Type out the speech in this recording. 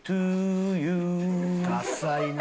ダサいな。